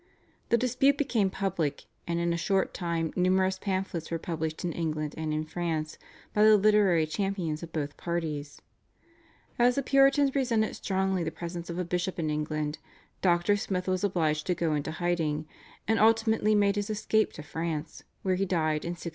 The dispute became public, and in a short time numerous pamphlets were published in England and in France by the literary champions of both parties. As the Puritans resented strongly the presence of a bishop in England, Dr. Smith was obliged to go into hiding, and ultimately made his escape to France, where he died in 1665.